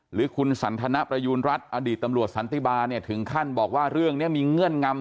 หรือคุณสันทนประยูณรัฐอดีตตำรวจสันติบาลเนี่ยถึงขั้นบอกว่าเรื่องนี้มีเงื่อนงำ